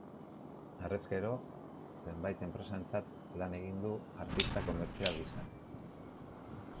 Harrezkero, zenbait enpresarentzat lan egin du, artista komertzial gisa.